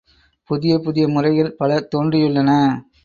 புதிய புதிய முறைகள் பல தோன்றியுள்ளன.